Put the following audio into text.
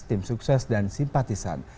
tim sukses dan simpatisan